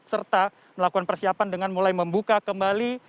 serta melakukan persiapan dengan mulai membuka kembali